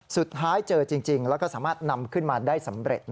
สุดท้ายเจอจริงแล้วก็สามารถนำขึ้นมาได้สำเร็จ